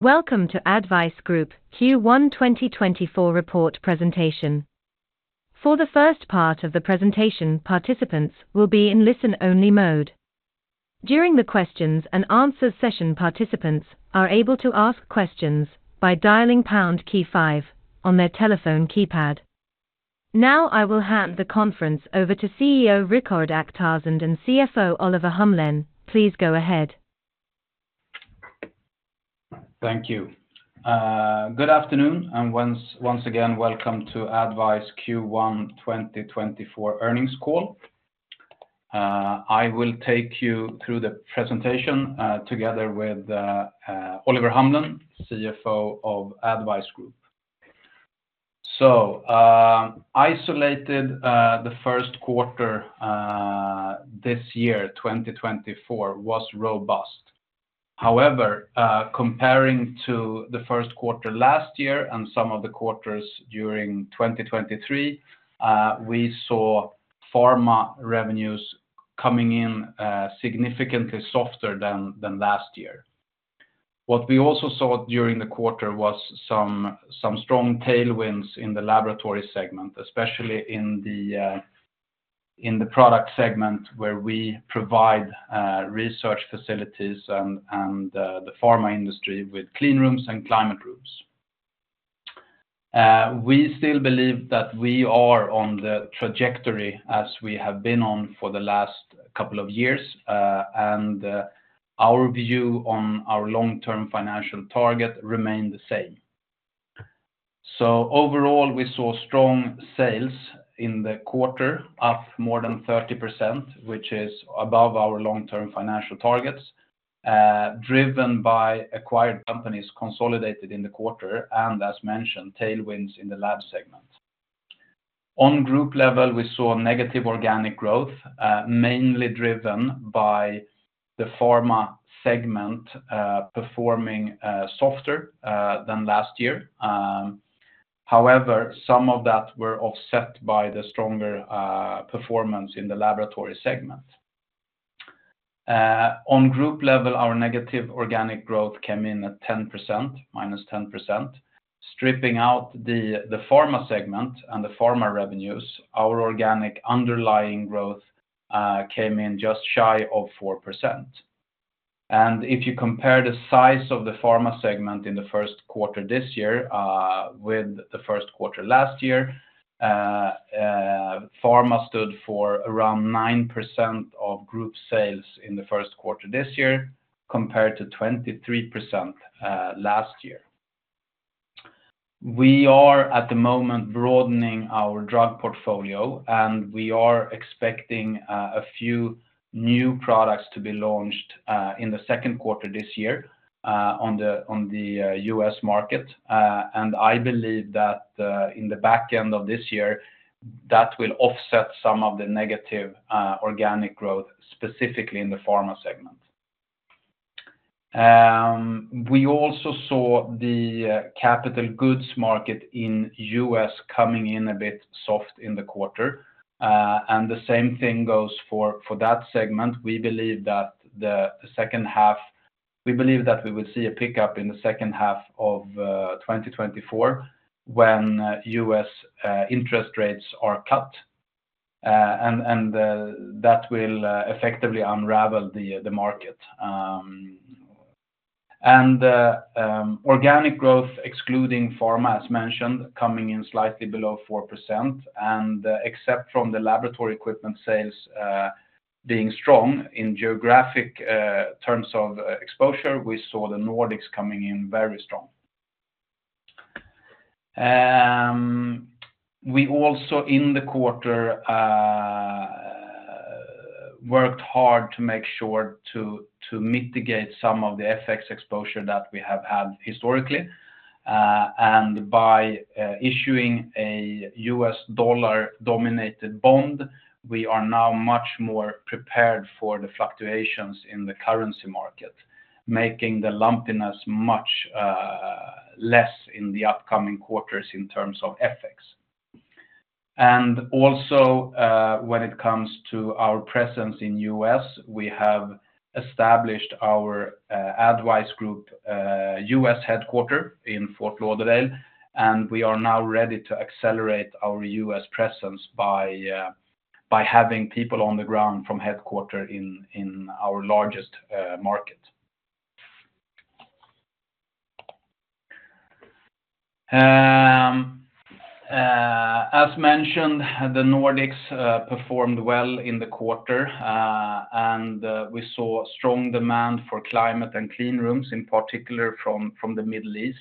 Welcome to ADDvise Group Q1 2024 report presentation. For the first part of the presentation, participants will be in listen-only mode. During the questions and answers session, participants are able to ask questions by dialing pound key five on their telephone keypad. Now I will hand the conference over to CEO Rikard Akhtarzand and CFO Oliver Humlen. Please go ahead. Thank you. Good afternoon, and once again welcome to ADDvise Q1 2024 earnings call. I will take you through the presentation together with Oliver Humlen, CFO of ADDvise Group. So isolated, the Q1 this year 2024 was robust. However, comparing to the Q1 last year and some of the quarters during 2023, we saw pharma revenues coming in significantly softer than last year. What we also saw during the quarter was some strong tailwinds in the laboratory segment, especially in the product segment where we provide research facilities and the pharma industry with clean rooms and climate rooms. We still believe that we are on the trajectory as we have been on for the last couple of years, and our view on our long-term financial target remained the same. So overall, we saw strong sales in the quarter, up more than 30%, which is above our long-term financial targets, driven by acquired companies consolidated in the quarter and, as mentioned, tailwinds in the lab segment. On group level, we saw negative organic growth, mainly driven by the pharma segment performing softer than last year. However, some of that were offset by the stronger performance in the laboratory segment. On group level, our negative organic growth came in at 10%, -10%. Stripping out the pharma segment and the pharma revenues, our organic underlying growth came in just shy of 4%. And if you compare the size of the pharma segment in the Q1 this year with the Q1 last year, pharma stood for around 9% of group sales in the Q1 this year compared to 23% last year. We are at the moment broadening our drug portfolio, and we are expecting a few new products to be launched in the Q2 this year on the U.S. market. And I believe that in the back end of this year, that will offset some of the negative organic growth, specifically in the pharma segment. We also saw the capital goods market in the U.S. coming in a bit soft in the quarter. And the same thing goes for that segment. We believe that the second half we believe that we will see a pickup in the second half of 2024 when U.S. interest rates are cut, and that will effectively unravel the market. And organic growth, excluding pharma, as mentioned, coming in slightly below 4%. And except from the laboratory equipment sales being strong in geographic terms of exposure, we saw the Nordics coming in very strong. We also, in the quarter, worked hard to make sure to mitigate some of the FX exposure that we have had historically. By issuing a U.S. dollar-denominated bond, we are now much more prepared for the fluctuations in the currency market, making the lumpiness much less in the upcoming quarters in terms of FX. When it comes to our presence in the U.S., we have established our ADDvise Group U.S. headquarters in Fort Lauderdale, and we are now ready to accelerate our U.S. presence by having people on the ground from headquarters in our largest market. As mentioned, the Nordics performed well in the quarter, and we saw strong demand for climate and clean rooms, in particular from the Middle East.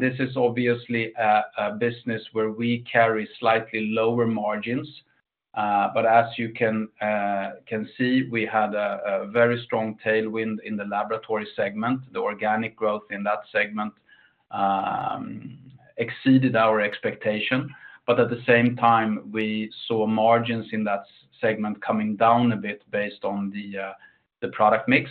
This is obviously a business where we carry slightly lower margins. But as you can see, we had a very strong tailwind in the laboratory segment. The organic growth in that segment exceeded our expectation. But at the same time, we saw margins in that segment coming down a bit based on the product mix.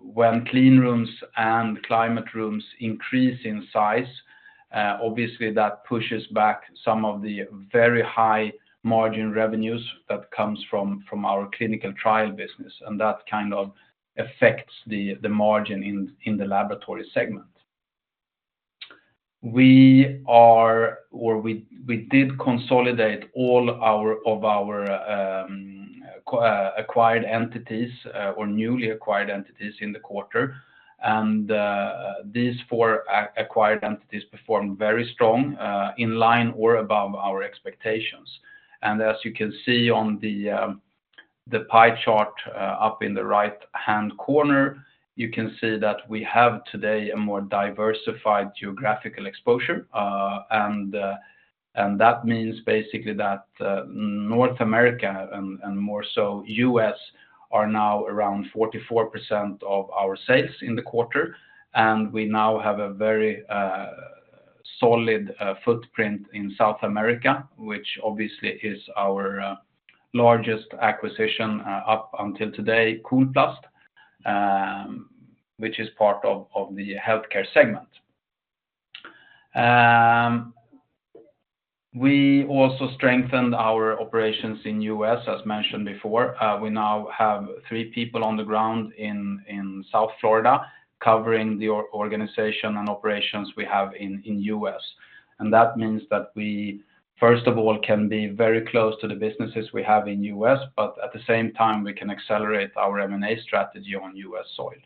When clean rooms and climate rooms increase in size, obviously that pushes back some of the very high margin revenues that come from our clinical trial business, and that kind of affects the margin in the laboratory segment. We are or we did consolidate all of our acquired entities or newly acquired entities in the quarter, and these four acquired entities performed very strong in line or above our expectations. And as you can see on the pie chart up in the right-hand corner, you can see that we have today a more diversified geographical exposure. That means basically that North America and more so the U.S. are now around 44% of our sales in the quarter. We now have a very solid footprint in South America, which obviously is our largest acquisition up until today, Kolplast, which is part of the healthcare segment. We also strengthened our operations in the U.S., as mentioned before. We now have three people on the ground in South Florida covering the organization and operations we have in the U.S. That means that we, first of all, can be very close to the businesses we have in the U.S., but at the same time, we can accelerate our M&A strategy on U.S. soil.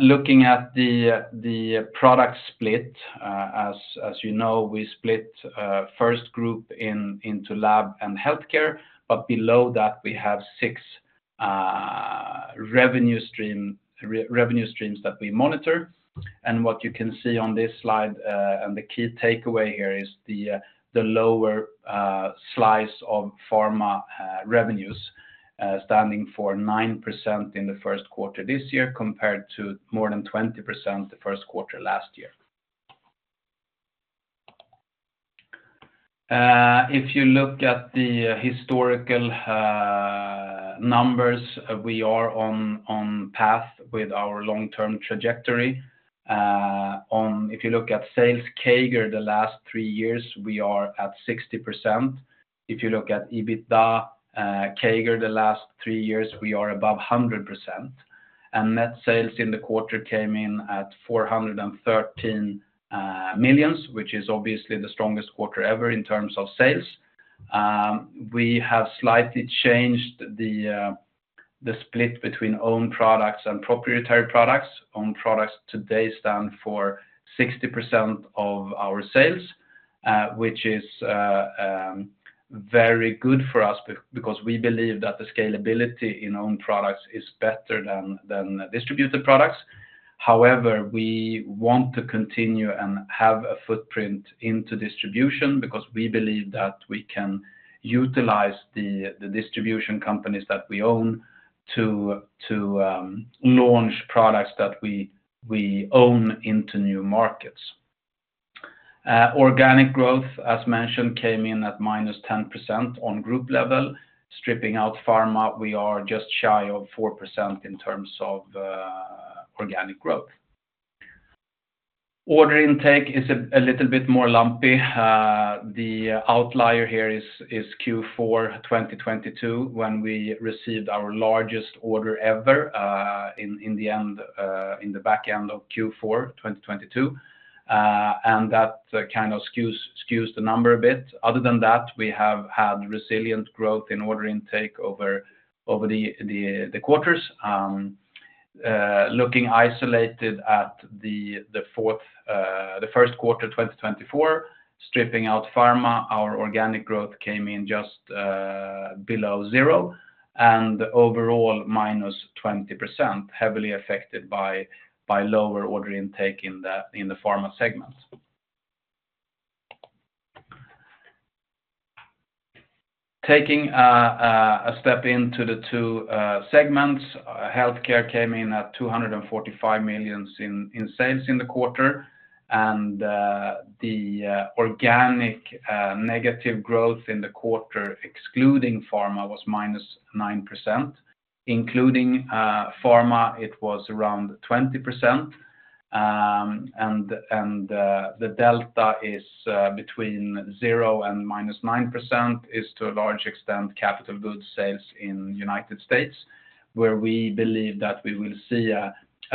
Looking at the product split, as you know, we split ADDvise Group into lab and healthcare, but below that, we have six revenue streams that we monitor. What you can see on this slide and the key takeaway here is the lower slice of pharma revenues, standing for 9% in the Q1 this year compared to more than 20% the Q1 last year. If you look at the historical numbers, we are on path with our long-term trajectory. If you look at sales CAGR the last three years, we are at 60%. If you look at EBITDA CAGR the last three years, we are above 100%. Net sales in the quarter came in at 413 million, which is obviously the strongest quarter ever in terms of sales. We have slightly changed the split between owned products and proprietary products. Owned products today stand for 60% of our sales, which is very good for us because we believe that the scalability in owned products is better than distributed products. However, we want to continue and have a footprint into distribution because we believe that we can utilize the distribution companies that we own to launch products that we own into new markets. Organic growth, as mentioned, came in at -10% on group level. Stripping out pharma, we are just shy of 4% in terms of organic growth. Order intake is a little bit more lumpy. The outlier here is Q4 2022 when we received our largest order ever in the back end of Q4 2022, and that kind of skews the number a bit. Other than that, we have had resilient growth in order intake over the quarters. Looking isolated at the Q1 2024, stripping out pharma, our organic growth came in just below zero and overall -20%, heavily affected by lower order intake in the pharma segment. Taking a step into the two segments, healthcare came in at 245 million in sales in the quarter, and the organic negative growth in the quarter excluding pharma was -9%. Including pharma, it was around 20%. And the delta between 0% and -9% is, to a large extent, capital goods sales in the United States, where we believe that we will see a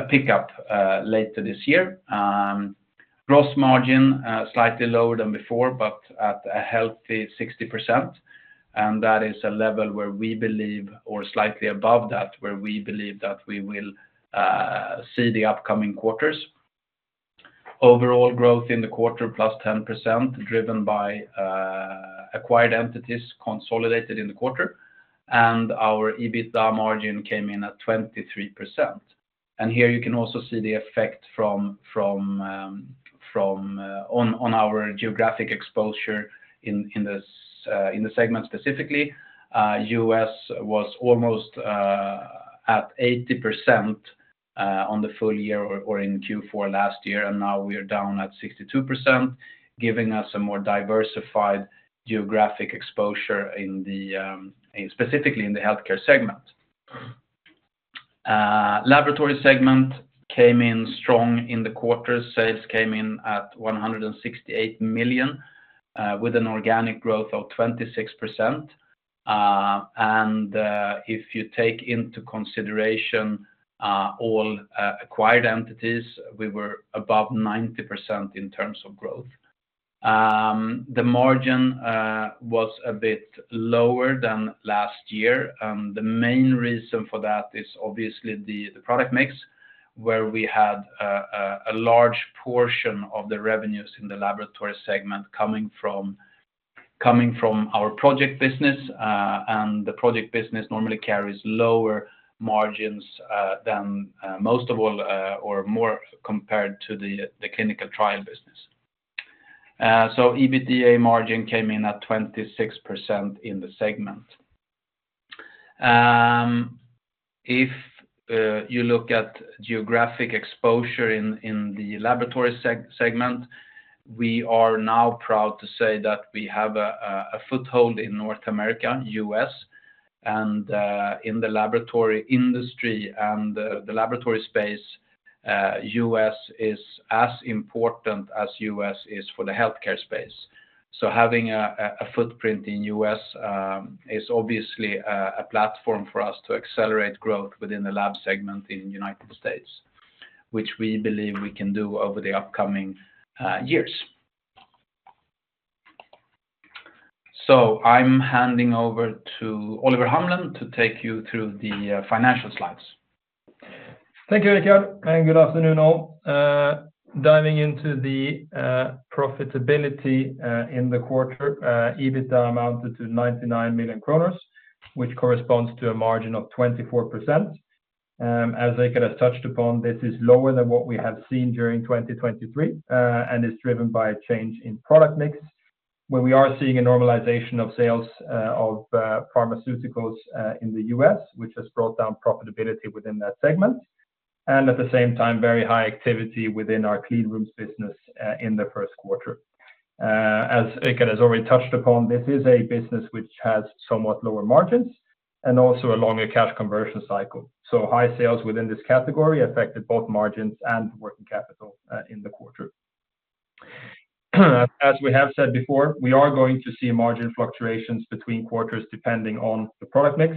pickup later this year. Gross margin slightly lower than before, but at a healthy 60%. And that is a level where we believe, or slightly above that, where we believe that we will see the upcoming quarters. Overall growth in the quarter +10% driven by acquired entities consolidated in the quarter, and our EBITDA margin came in at 23%. And here you can also see the effect on our geographic exposure in the segment specifically. U.S. was almost at 80% on the full year or in Q4 last year, and now we are down at 62%, giving us a more diversified geographic exposure, specifically in the healthcare segment. Laboratory segment came in strong in the quarter. Sales came in at 168 million with an organic growth of 26%. And if you take into consideration all acquired entities, we were above 90% in terms of growth. The margin was a bit lower than last year, and the main reason for that is obviously the product mix, where we had a large portion of the revenues in the laboratory segment coming from our project business. And the project business normally carries lower margins than most of all, or more compared to the clinical trial business. So EBITDA margin came in at 26% in the segment. If you look at geographic exposure in the laboratory segment, we are now proud to say that we have a foothold in North America, the US, and in the laboratory industry and the laboratory space. US is as important as the US is for the healthcare space. So having a footprint in the US is obviously a platform for us to accelerate growth within the lab segment in the United States, which we believe we can do over the upcoming years. So I'm handing over to Oliver Humlen to take you through the financial slides. Thank you, Rikard. Good afternoon all. Diving into the profitability in the quarter, EBITDA amounted to 99 million kronor, which corresponds to a margin of 24%. As Rikard has touched upon, this is lower than what we have seen during 2023 and is driven by a change in product mix, where we are seeing a normalization of sales of pharmaceuticals in the U.S., which has brought down profitability within that segment, and at the same time, very high activity within our clean rooms business in the Q1. As Rikard has already touched upon, this is a business which has somewhat lower margins and also a longer cash conversion cycle. High sales within this category affected both margins and working capital in the quarter. As we have said before, we are going to see margin fluctuations between quarters depending on the product mix,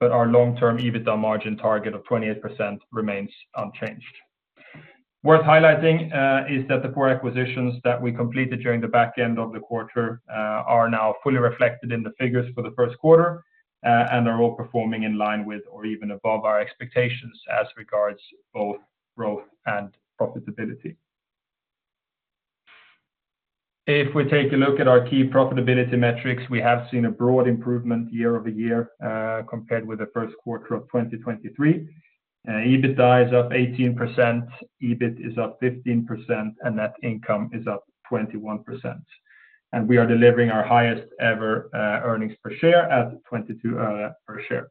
but our long-term EBITDA margin target of 28% remains unchanged. Worth highlighting is that the four acquisitions that we completed during the back end of the quarter are now fully reflected in the figures for the Q1 and are all performing in line with or even above our expectations as regards both growth and profitability. If we take a look at our key profitability metrics, we have seen a broad improvement year-over-year compared with the Q1 of 2023. EBITDA is up 18%, EBIT is up 15%, and net income is up 21%. We are delivering our highest ever earnings per share at 22 per share.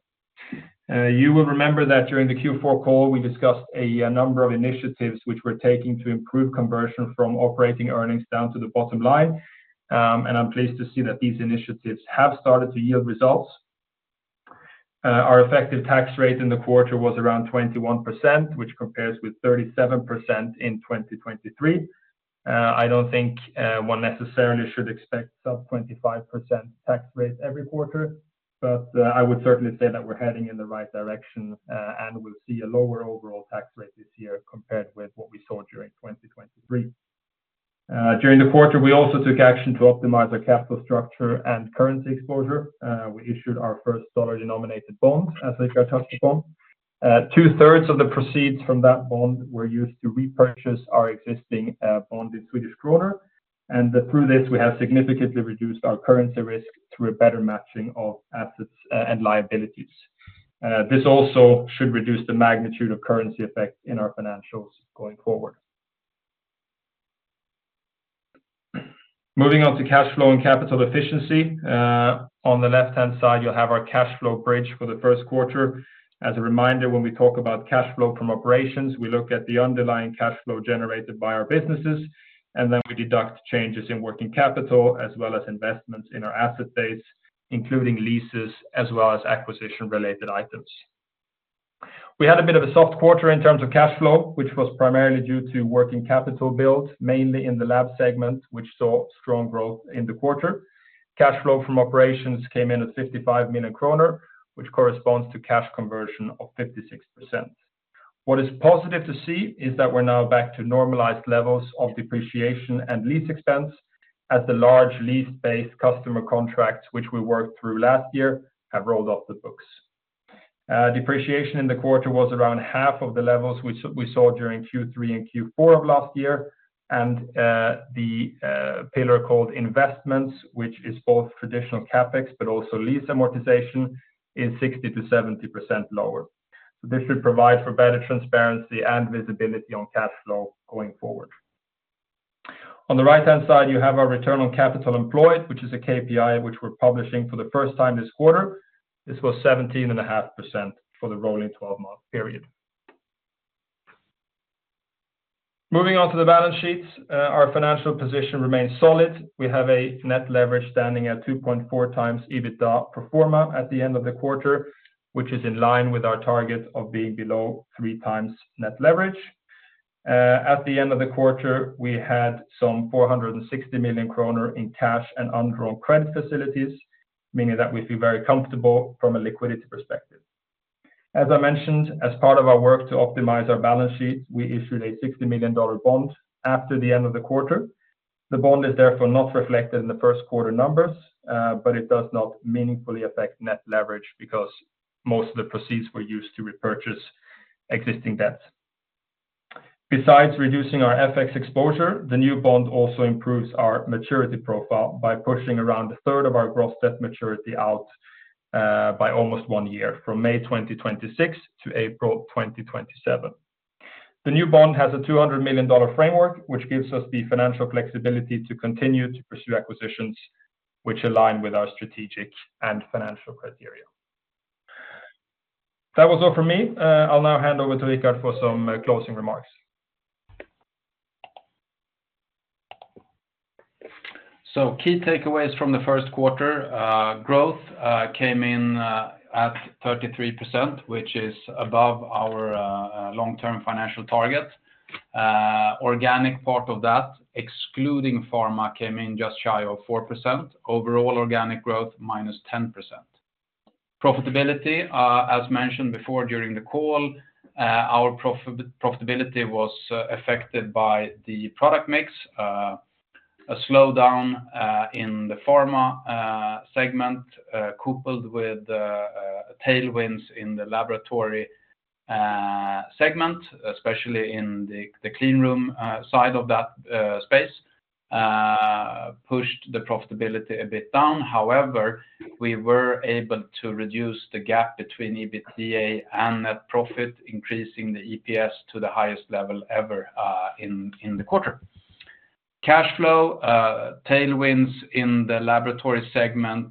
You will remember that during the Q4 call, we discussed a number of initiatives which we're taking to improve conversion from operating earnings down to the bottom line. I'm pleased to see that these initiatives have started to yield results. Our effective tax rate in the quarter was around 21%, which compares with 37% in 2023. I don't think one necessarily should expect sub 25% tax rates every quarter, but I would certainly say that we're heading in the right direction and will see a lower overall tax rate this year compared with what we saw during 2023. During the quarter, we also took action to optimize our capital structure and currency exposure. We issued our first dollar-denominated bond, as Rikard touched upon. Two-thirds of the proceeds from that bond were used to repurchase our existing bond in Swedish krona. And through this, we have significantly reduced our currency risk through a better matching of assets and liabilities. This also should reduce the magnitude of currency effect in our financials going forward. Moving on to cash flow and capital efficiency. On the left-hand side, you'll have our cash flow bridge for the Q1. As a reminder, when we talk about cash flow from operations, we look at the underlying cash flow generated by our businesses, and then we deduct changes in working capital as well as investments in our asset base, including leases as well as acquisition-related items. We had a bit of a soft quarter in terms of cash flow, which was primarily due to working capital build, mainly in the lab segment, which saw strong growth in the quarter. Cash flow from operations came in at 55 million kronor, which corresponds to cash conversion of 56%. What is positive to see is that we're now back to normalized levels of depreciation and lease expense as the large lease-based customer contracts, which we worked through last year, have rolled off the books. Depreciation in the quarter was around half of the levels we saw during Q3 and Q4 of last year. The pillar called investments, which is both traditional CapEx but also lease amortization, is 60% to 70% lower. This should provide for better transparency and visibility on cash flow going forward. On the right-hand side, you have our return on capital employed, which is a KPI which we're publishing for the first time this quarter. This was 17.5% for the rolling 12-month period. Moving on to the balance sheets, our financial position remains solid. We have a net leverage standing at 2.4 times EBITDA pro forma at the end of the quarter, which is in line with our target of being below 3 times net leverage. At the end of the quarter, we had some 460 million kronor in cash and undrawn credit facilities, meaning that we feel very comfortable from a liquidity perspective. As I mentioned, as part of our work to optimize our balance sheet, we issued a $60 million bond after the end of the quarter. The bond is therefore not reflected in the Q1 numbers, but it does not meaningfully affect net leverage because most of the proceeds were used to repurchase existing debts. Besides reducing our FX exposure, the new bond also improves our maturity profile by pushing around a third of our gross debt maturity out by almost one year, from May 2026 to April 2027. The new bond has a $200 million framework, which gives us the financial flexibility to continue to pursue acquisitions which align with our strategic and financial criteria. That was all from me. I'll now hand over to Rikard for some closing remarks. So key takeaways from the Q1. Growth came in at 33%, which is above our long-term financial target. Organic part of that, excluding pharma, came in just shy of 4%. Overall organic growth, minus 10%. Profitability, as mentioned before during the call, our profitability was affected by the product mix, a slowdown in the pharma segment coupled with tailwinds in the laboratory segment, especially in the clean room side of that space, pushed the profitability a bit down. However, we were able to reduce the gap between EBITDA and net profit, increasing the EPS to the highest level ever in the quarter. Cash flow, tailwinds in the laboratory segment,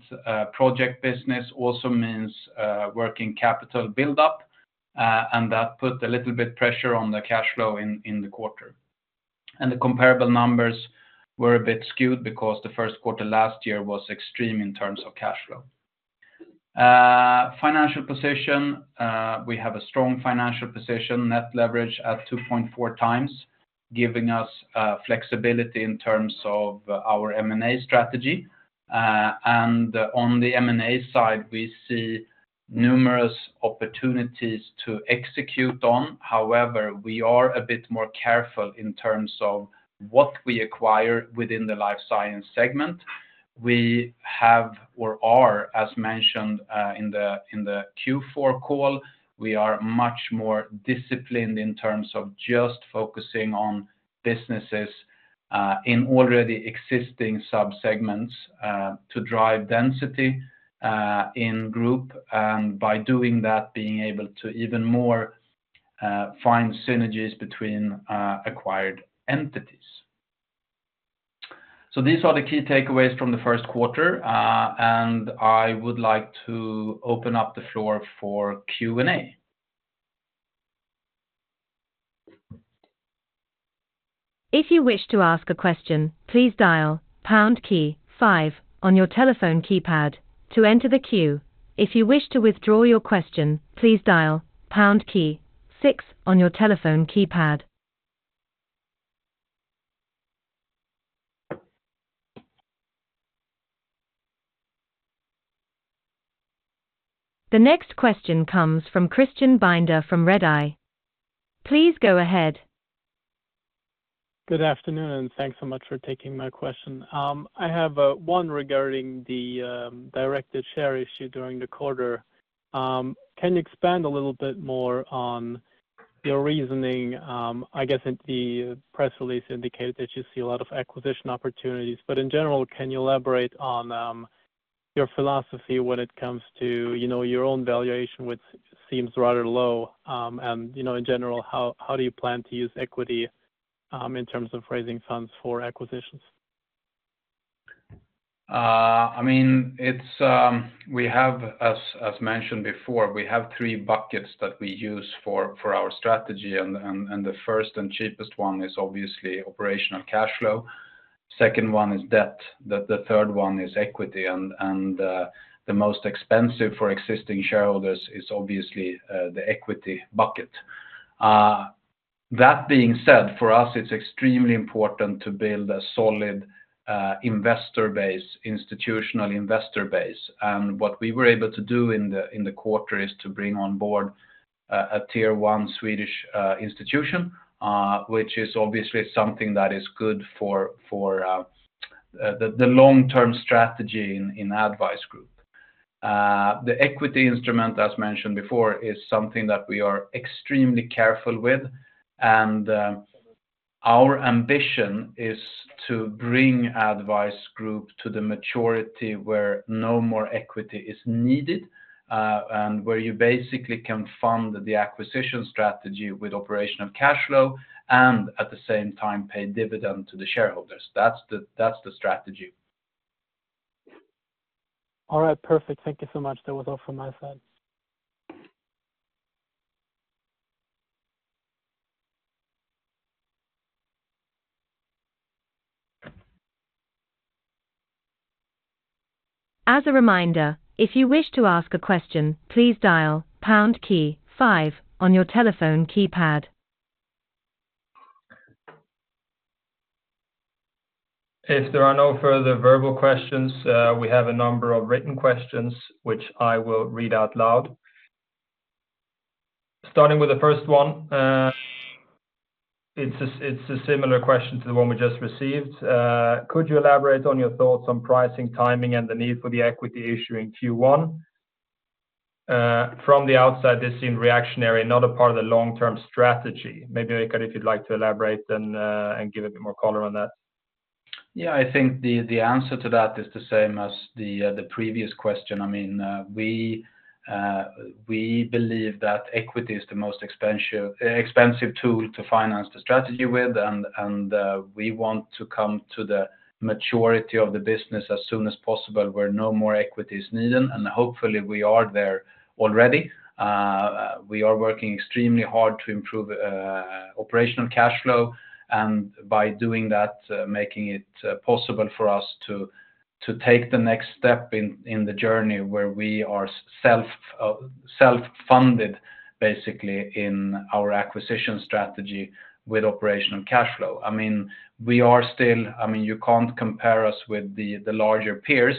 project business also means working capital buildup, and that put a little bit of pressure on the cash flow in the quarter. The comparable numbers were a bit skewed because the Q1 last year was extreme in terms of cash flow. Financial position, we have a strong financial position, net leverage at 2.4 times, giving us flexibility in terms of our M&A strategy. And on the M&A side, we see numerous opportunities to execute on. However, we are a bit more careful in terms of what we acquire within the life science segment. We have or are, as mentioned in the Q4 call, we are much more disciplined in terms of just focusing on businesses in already existing subsegments to drive density in group and by doing that, being able to even more find synergies between acquired entities. So these are the key takeaways from the Q1. And I would like to open up the floor for Q&A. If you wish to ask a question, please dial pound key five on your telephone keypad to enter the queue. If you wish to withdraw your question, please dial pound key six on your telephone keypad. The next question comes from Christian Binder from Redeye. Please go ahead. Good afternoon, and thanks so much for taking my question. I have one regarding the directed share issue during the quarter. Can you expand a little bit more on your reasoning? I guess the press release indicated that you see a lot of acquisition opportunities. But in general, can you elaborate on your philosophy when it comes to your own valuation, which seems rather low? And in general, how do you plan to use equity in terms of raising funds for acquisitions? I mean, as mentioned before, we have three buckets that we use for our strategy. The first and cheapest one is obviously operational cash flow. The second one is debt. The third one is equity. The most expensive for existing shareholders is obviously the equity bucket. That being said, for us, it's extremely important to build a solid investor base, institutional investor base. What we were able to do in the quarter is to bring on board a tier one Swedish institution, which is obviously something that is good for the long-term strategy in ADDvise Group. The equity instrument, as mentioned before, is something that we are extremely careful with. Our ambition is to bring ADDvise Group to the maturity where no more equity is needed and where you basically can fund the acquisition strategy with operational cash flow and at the same time pay dividend to the shareholders. That's the strategy. All right. Perfect. Thank you so much. That was all from my side. As a reminder, if you wish to ask a question, please dial pound key five on your telephone keypad. If there are no further verbal questions, we have a number of written questions, which I will read out loud. Starting with the first one, it's a similar question to the one we just received. Could you elaborate on your thoughts on pricing, timing, and the need for the equity issue in Q1? From the outside, this seemed reactionary, not a part of the long-term strategy. Maybe, Rikard, if you'd like to elaborate and give a bit more color on that. Yeah, I think the answer to that is the same as the previous question. I mean, we believe that equity is the most expensive tool to finance the strategy with. We want to come to the maturity of the business as soon as possible where no more equity is needed. Hopefully, we are there already. We are working extremely hard to improve operational cash flow. By doing that, we are making it possible for us to take the next step in the journey where we are self-funded, basically, in our acquisition strategy with operational cash flow. I mean, we are still. I mean, you can't compare us with the larger peers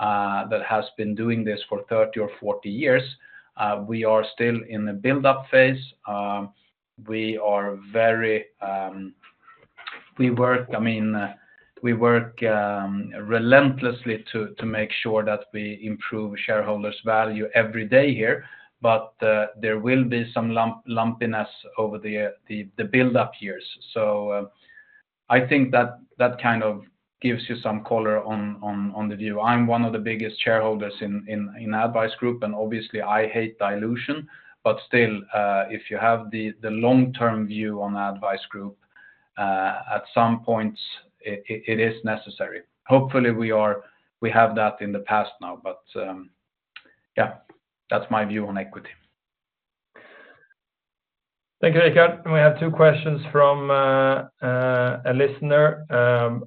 that have been doing this for 30 or 40 years. We are still in a buildup phase. We are very. I mean, we work relentlessly to make sure that we improve shareholders' value every day here. But there will be some lumpiness over the buildup years. So I think that kind of gives you some color on the view. I'm one of the biggest shareholders in ADDvise Group. And obviously, I hate dilution. But still, if you have the long-term view on ADDvise Group, at some points, it is necessary. Hopefully, we have that in the past now. But yeah, that's my view on equity. Thank you, Rikard. We have two questions from a listener.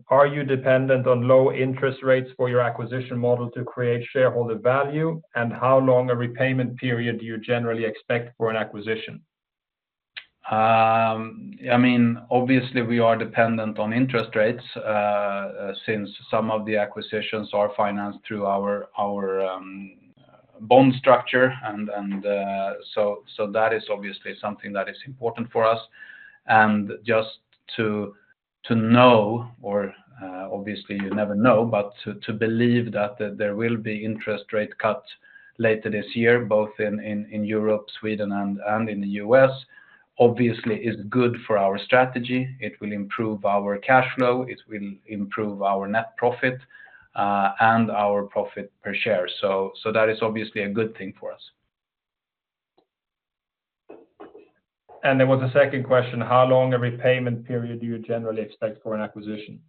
Are you dependent on low interest rates for your acquisition model to create shareholder value? And how long a repayment period do you generally expect for an acquisition? I mean, obviously, we are dependent on interest rates since some of the acquisitions are financed through our bond structure. So that is obviously something that is important for us. Just to know or obviously, you never know, but to believe that there will be interest rate cuts later this year, both in Europe, Sweden, and in the U.S., obviously, is good for our strategy. It will improve our cash flow. It will improve our net profit and our profit per share. That is obviously a good thing for us. There was a second question. How long a repayment period do you generally expect for an acquisition?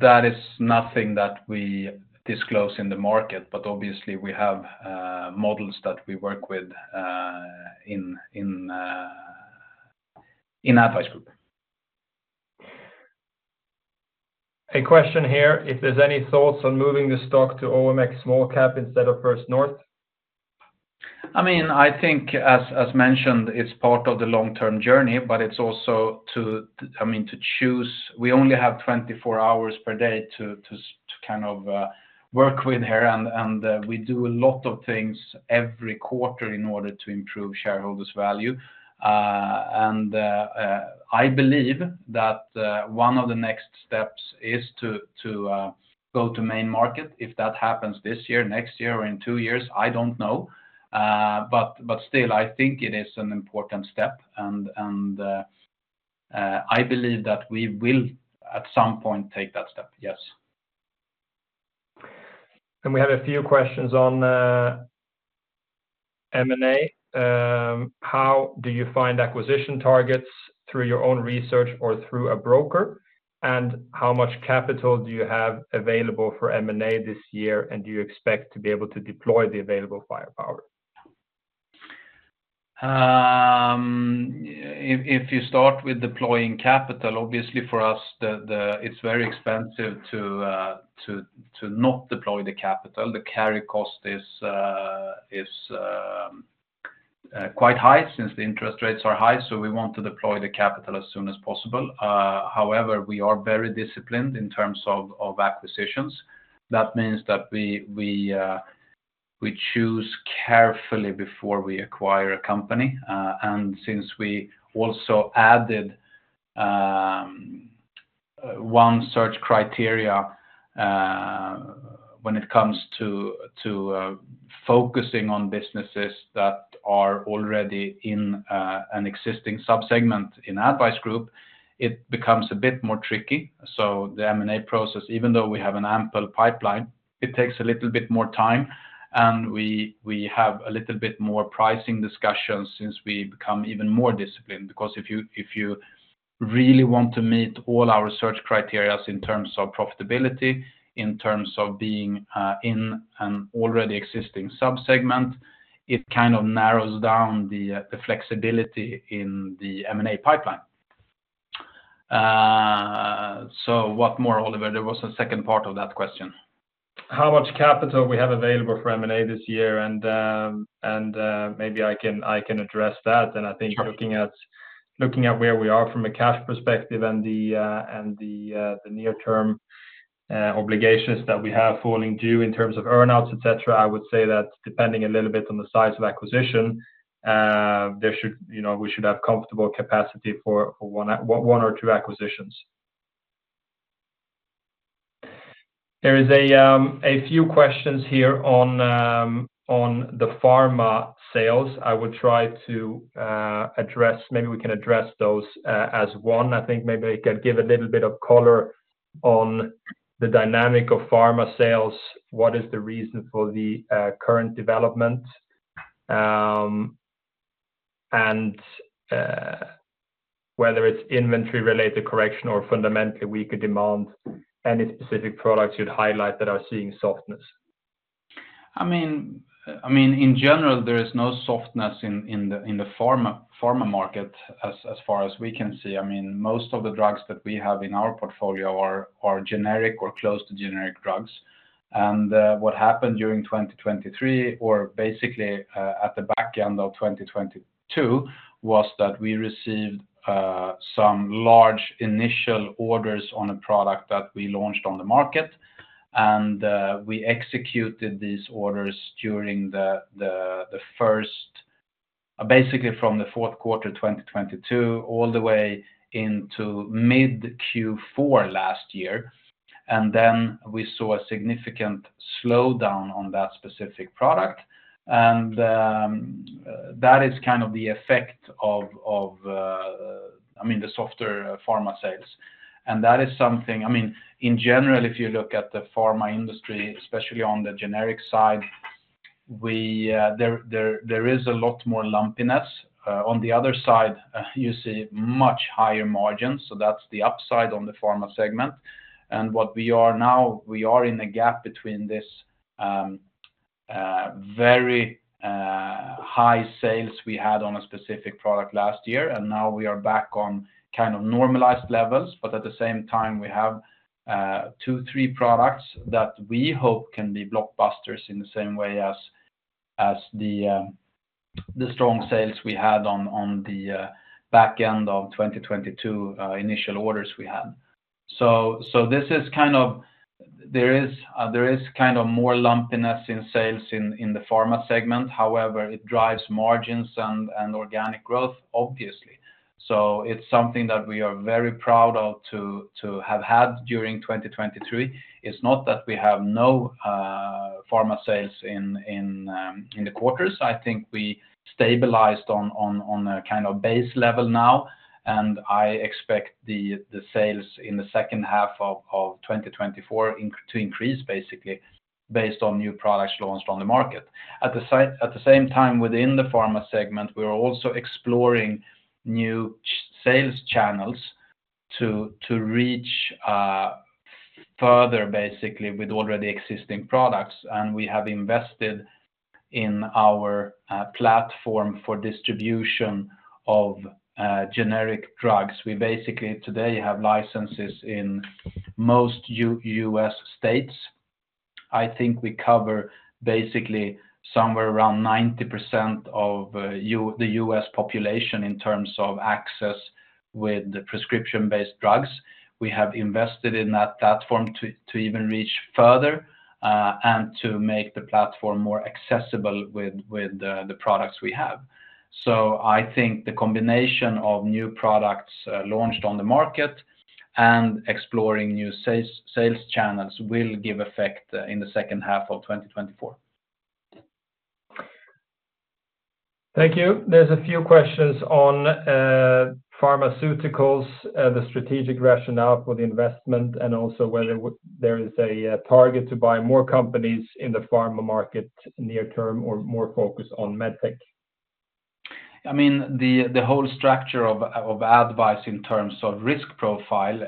That is nothing that we disclose in the market. But obviously, we have models that we work with in ADDvise Group. A question here. If there's any thoughts on moving the stock to OMX Small Cap instead of First North? I mean, I think, as mentioned, it's part of the long-term journey. But it's also, I mean, to choose we only have 24 hours per day to kind of work with here. We do a lot of things every quarter in order to improve shareholders' value. I believe that one of the next steps is to go to main market. If that happens this year, next year, or in two years, I don't know. But still, I think it is an important step. I believe that we will, at some point, take that step. Yes. We have a few questions on M&A. How do you find acquisition targets through your own research or through a broker? And how much capital do you have available for M&A this year? And do you expect to be able to deploy the available firepower? If you start with deploying capital, obviously, for us, it's very expensive to not deploy the capital. The carry cost is quite high since the interest rates are high. We want to deploy the capital as soon as possible. However, we are very disciplined in terms of acquisitions. That means that we choose carefully before we acquire a company. Since we also added one search criteria when it comes to focusing on businesses that are already in an existing subsegment in ADDvise Group, it becomes a bit more tricky. The M&A process, even though we have an ample pipeline, it takes a little bit more time. We have a little bit more pricing discussions since we become even more disciplined. Because if you really want to meet all our search criteria in terms of profitability, in terms of being in an already existing subsegment, it kind of narrows down the flexibility in the M&A pipeline. So what more, Oliver? There was a second part of that question. How much capital we have available for M&A this year. Maybe I can address that. I think looking at where we are from a cash perspective and the near-term obligations that we have falling due in terms of earnouts, etc., I would say that depending a little bit on the size of acquisition, we should have comfortable capacity for one or two acquisitions. There are a few questions here on the pharma sales. I would try to address maybe we can address those as one. I think maybe I could give a little bit of color on the dynamic of pharma sales. What is the reason for the current development? And whether it's inventory-related correction or fundamentally weaker demand, any specific products you'd highlight that are seeing softness? I mean, in general, there is no softness in the pharma market as far as we can see. I mean, most of the drugs that we have in our portfolio are generic or close to generic drugs. What happened during 2023 or basically at the back end of 2022 was that we received some large initial orders on a product that we launched on the market. We executed these orders during the first basically from the Q4 2022 all the way into mid-Q4 last year. Then we saw a significant slowdown on that specific product. That is kind of the effect of, I mean, the softer pharma sales. That is something I mean, in general, if you look at the pharma industry, especially on the generic side, there is a lot more lumpiness. On the other side, you see much higher margins. So that's the upside on the pharma segment. What we are now, we are in a gap between this very high sales we had on a specific product last year. Now we are back on kind of normalized levels. But at the same time, we have 2-3 products that we hope can be blockbusters in the same way as the strong sales we had on the back end of 2022 initial orders we had. So this is kind of there is kind of more lumpiness in sales in the pharma segment. However, it drives margins and organic growth, obviously. So it's something that we are very proud of to have had during 2023. It's not that we have no pharma sales in the quarters. I think we stabilized on a kind of base level now. I expect the sales in the second half of 2024 to increase, basically, based on new products launched on the market. At the same time, within the pharma segment, we are also exploring new sales channels to reach further, basically, with already existing products. We have invested in our platform for distribution of generic drugs. We basically, today, have licenses in most U.S. states. I think we cover, basically, somewhere around 90% of the U.S. population in terms of access with prescription-based drugs. We have invested in that platform to even reach further and to make the platform more accessible with the products we have. I think the combination of new products launched on the market and exploring new sales channels will give effect in the second half of 2024. Thank you. There's a few questions on pharmaceuticals, the strategic rationale for the investment, and also whether there is a target to buy more companies in the pharma market near-term or more focus on MedTech. I mean, the whole structure of ADDvise in terms of risk profile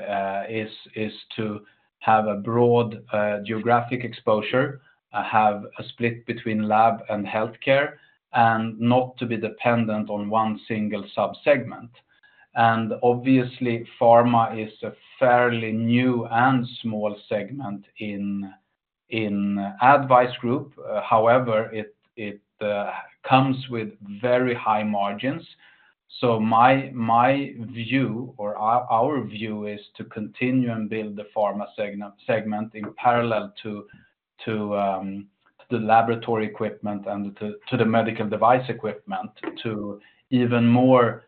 is to have a broad geographic exposure, have a split between lab and healthcare, and not to be dependent on one single subsegment. And obviously, pharma is a fairly new and small segment in ADDvise Group. However, it comes with very high margins. So my view or our view is to continue and build the pharma segment in parallel to the laboratory equipment and to the medical device equipment to even more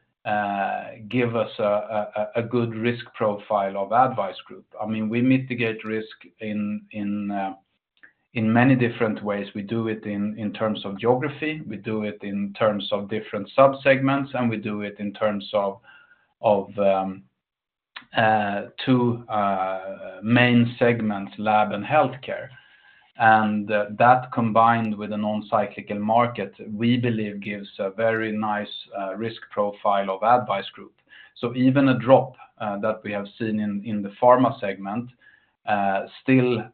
give us a good risk profile of ADDvise Group. I mean, we mitigate risk in many different ways. We do it in terms of geography. We do it in terms of different subsegments. And we do it in terms of two main segments, lab and healthcare. And that, combined with a non-cyclical market, we believe gives a very nice risk profile of ADDvise Group. So even a drop that we have seen in the pharma segment still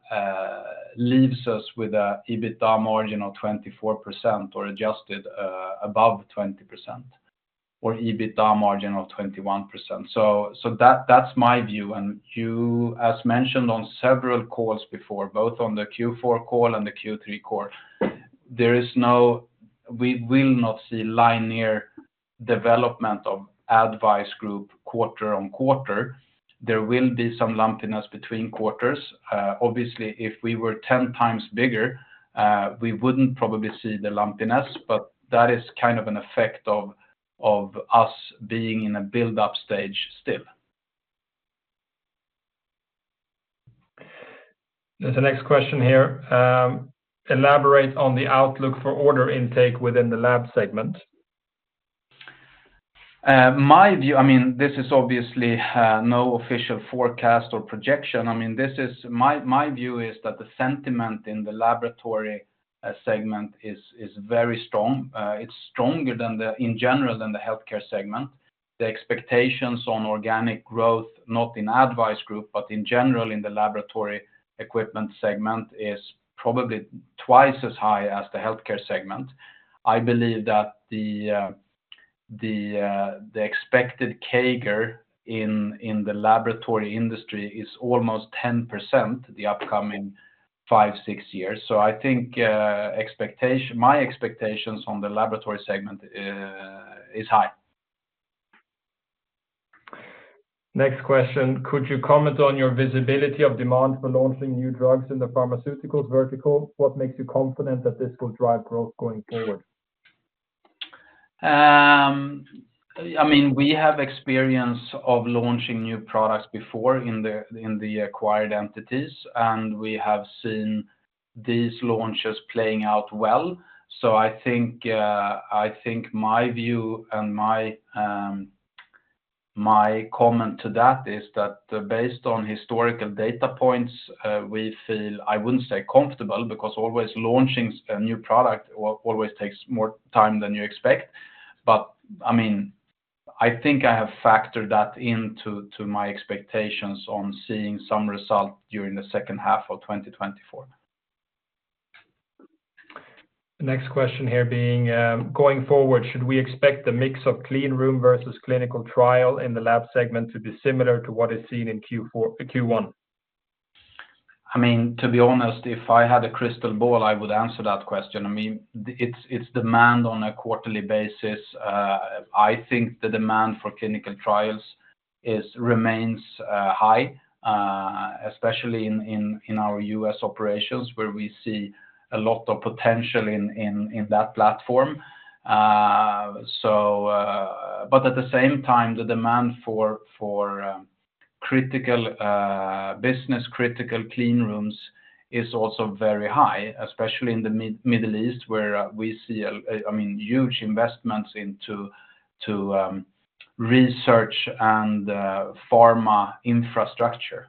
leaves us with an EBITDA margin of 24% or adjusted above 20% or EBITDA margin of 21%. So that's my view. And you, as mentioned on several calls before, both on the Q4 call and the Q3 call, there is no. We will not see linear development of ADDvise Group quarter on quarter. There will be some lumpiness between quarters. Obviously, if we were 10x bigger, we wouldn't probably see the lumpiness. But that is kind of an effect of us being in a buildup stage still. There's a next question here. Elaborate on the outlook for order intake within the lab segment. My view, I mean, this is obviously no official forecast or projection. I mean, my view is that the sentiment in the laboratory segment is very strong. It's stronger in general than the healthcare segment. The expectations on organic growth, not in ADDvise Group, but in general in the laboratory equipment segment, is probably twice as high as the healthcare segment. I believe that the expected CAGR in the laboratory industry is almost 10% the upcoming five, six years. So I think my expectations on the laboratory segment is high. Next question. Could you comment on your visibility of demand for launching new drugs in the pharmaceuticals vertical? What makes you confident that this will drive growth going forward? I mean, we have experience of launching new products before in the acquired entities. We have seen these launches playing out well. I think my view and my comment to that is that based on historical data points, we feel, I wouldn't say comfortable, because always launching a new product always takes more time than you expect. But I mean, I think I have factored that into my expectations on seeing some result during the second half of 2024. Next question here being, going forward, should we expect the mix of clean room versus clinical trial in the lab segment to be similar to what is seen in Q1? I mean, to be honest, if I had a crystal ball, I would answer that question. I mean, it's demand on a quarterly basis. I think the demand for clinical trials remains high, especially in our U.S. operations where we see a lot of potential in that platform. But at the same time, the demand for business-critical clean rooms is also very high, especially in the Middle East where we see, I mean, huge investments into research and pharma infrastructure.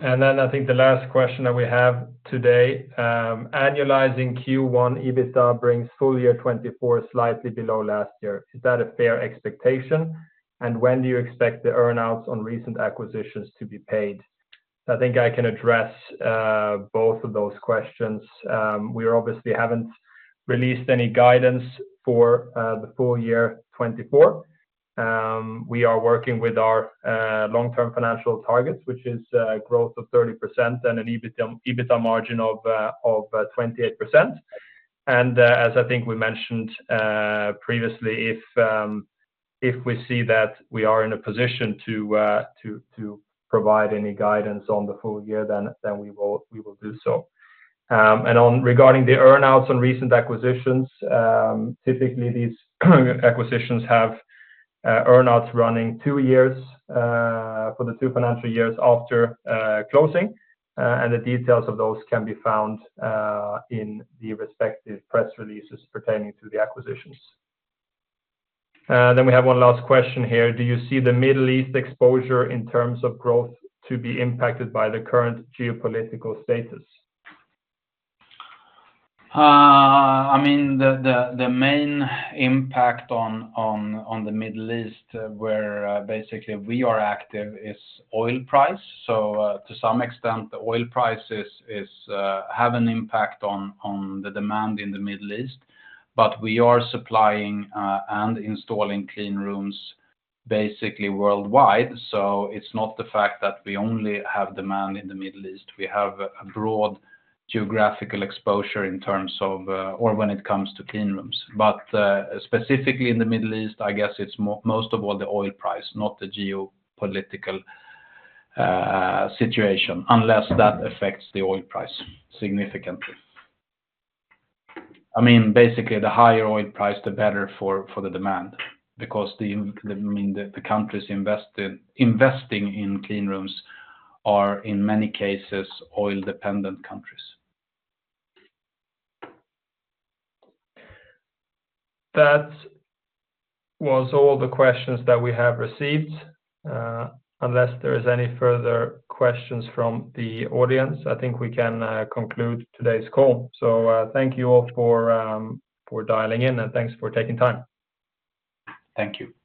Then I think the last question that we have today. Annualizing Q1 EBITDA brings full year 2024 slightly below last year. Is that a fair expectation? And when do you expect the earnouts on recent acquisitions to be paid? I think I can address both of those questions. We obviously haven't released any guidance for the full year 2024. We are working with our long-term financial targets, which is growth of 30% and an EBITDA margin of 28%. And as I think we mentioned previously, if we see that we are in a position to provide any guidance on the full year, then we will do so. And regarding the earnouts on recent acquisitions, typically, these acquisitions have earnouts running two years for the two financial years after closing. And the details of those can be found in the respective press releases pertaining to the acquisitions. Then we have one last question here. Do you see the Middle East exposure in terms of growth to be impacted by the current geopolitical status? I mean, the main impact on the Middle East where basically we are active is oil price. So to some extent, the oil prices have an impact on the demand in the Middle East. But we are supplying and installing clean rooms basically worldwide. So it's not the fact that we only have demand in the Middle East. We have a broad geographical exposure in terms of or when it comes to clean rooms. But specifically in the Middle East, I guess it's most of all the oil price, not the geopolitical situation, unless that affects the oil price significantly. I mean, basically, the higher oil price, the better for the demand because, I mean, the countries investing in clean rooms are, in many cases, oil-dependent countries. That was all the questions that we have received. Unless there are any further questions from the audience, I think we can conclude today's call. So thank you all for dialing in, and thanks for taking time. Thank you.